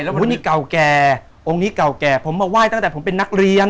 วันนี้เก่าแก่องค์นี้เก่าแก่ผมมาไหว้ตั้งแต่ผมเป็นนักเรียน